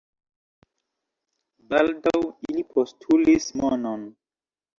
Baldaŭ ili postulis monon.